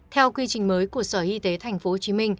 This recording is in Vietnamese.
theo quy trình mới của sở y tế tp hcm